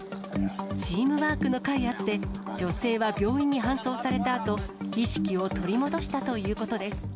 チームワークのかいあって、女性は病院に搬送されたあと、意識を取り戻したということです。